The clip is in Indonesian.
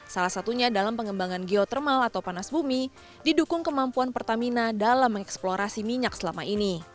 salah satunya dalam pengembangan geothermal atau panas bumi didukung kemampuan pertamina dalam mengeksplorasi minyak selama ini